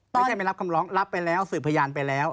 ไม่ใช่ไม่รับคำร้องรับไปแล้วสืบพยานไปแล้ว